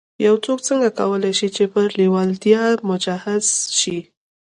يو څوک څنګه کولای شي چې پر لېوالتیا مجهز شي.